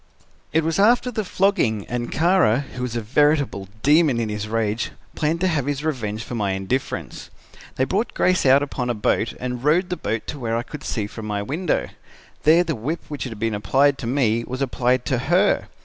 "It was after the flogging, and Kara, who was a veritable demon in his rage, planned to have his revenge for my indifference. They brought Grace out upon a boat and rowed the boat to where I could see it from my window. There the whip which had been applied to me was applied to her.